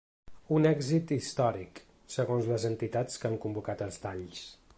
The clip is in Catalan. Un ‘èxit històric’, segons les entitats que han convocat els talls.